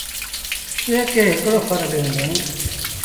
ڪي ڪي هڪڙو ڦر ڏيݩ ديٚݩ۔